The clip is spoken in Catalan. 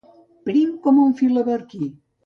Prim com un filaberquí.